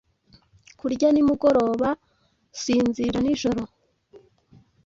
Kurya nimugoroba Sinzira nijoro.